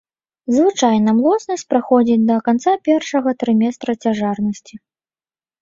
Звычайна млоснасць праходзіць да канца першага трыместра цяжарнасці.